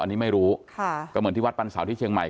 อันนี้ไม่รู้ค่ะก็เหมือนที่วัดปันสาวที่เชียงใหม่